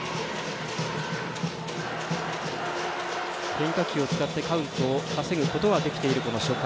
変化球を使ってカウントを稼ぐことはできている初回。